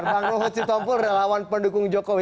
bang rohut sintompul relawan pendukung jokowi